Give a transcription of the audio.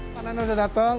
panan sudah datang